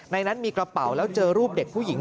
นั้นมีกระเป๋าแล้วเจอรูปเด็กผู้หญิง